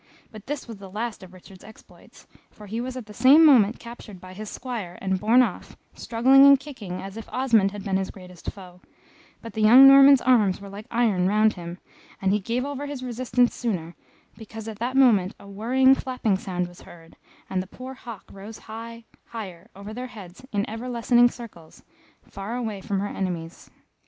But this was the last of Richard's exploits, for he was at the same moment captured by his Squire, and borne off, struggling and kicking as if Osmond had been his greatest foe; but the young Norman's arms were like iron round him; and he gave over his resistance sooner, because at that moment a whirring flapping sound was heard, and the poor hawk rose high, higher, over their heads in ever lessening circles, far away from her enemies.